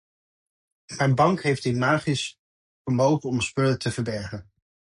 Mijn bank heeft een magisch vermogen om spullen te verbergen.